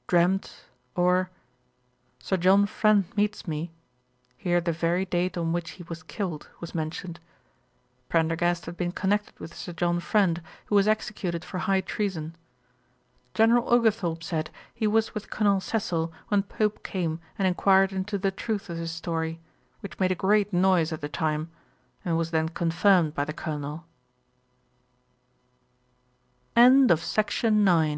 ] 'Dreamt or . Sir John Friend meets me:' (here the very day on which he was killed, was mentioned.) Prendergast had been connected with Sir John Friend, who was executed for high treason. General Oglethorpe said, he was with Colonel Cecil when Pope came and enquired into the truth of this story, which made a great noise at the time, and was then conf